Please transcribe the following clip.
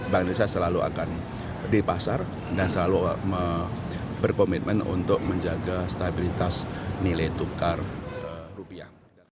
bank indonesia selalu akan di pasar dan selalu berkomitmen untuk menjaga stabilitas nilai tukar rupiah